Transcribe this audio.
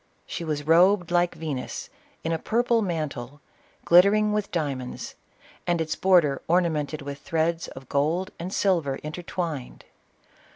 She was robed like Venus in a purple mantle, glittering with diamonds, and its border ornamented with threads of gold and silver intertwined.